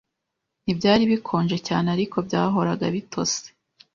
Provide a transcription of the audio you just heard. Ntibyari bikonje cyane, ariko byahoraga bitose.